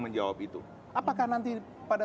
menjawab itu apakah nanti pada